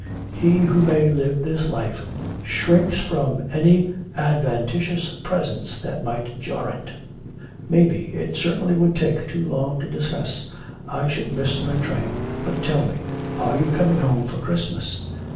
He who may live this life shrinks from any adventitious presence that might jar it.' 'Maybe, it certainly would take too long to discuss I should miss my train. But tell me, are you coming home for Christmas?'